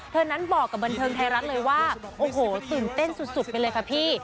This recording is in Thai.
นั้นบอกกับบันเทิงไทยรัฐเลยว่าโอ้โหตื่นเต้นสุดไปเลยค่ะพี่